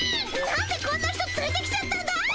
なんでこんな人つれてきちゃったんだい？